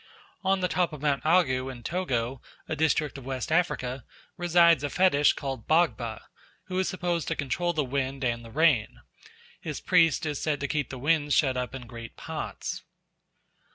On the top of Mount Agu in Togo, a district of West Africa, resides a fetish called Bagba, who is supposed to control the wind and the rain. His priest is said to keep the winds shut up in great pots.